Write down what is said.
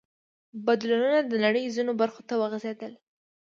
بدلونونه د نړۍ ځینو برخو ته وغځېدل.